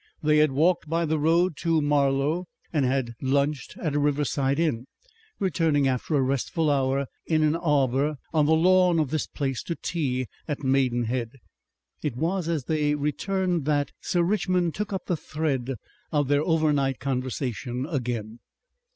They had walked by the road to Marlow and had lunched at a riverside inn, returning after a restful hour in an arbour on the lawn of this place to tea at Maidenhead. It was as they returned that Sir Richmond took up the thread of their overnight conversation again.